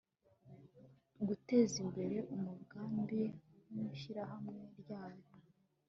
gutezimbere umugambi wishyirahamwre ryanyu